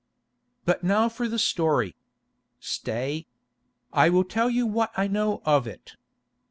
"But now for the story. Stay. I will tell you what I know of it.